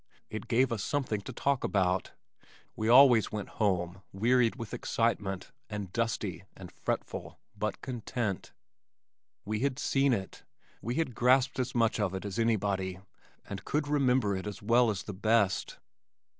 It gave us something to talk about. We always went home wearied with excitement, and dusty and fretful but content. We had seen it. We had grasped as much of it as anybody and could remember it as well as the best.